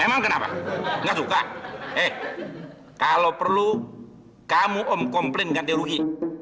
emang kenapa gak suka eh kalau perlu kamu om komplain ganti ruhi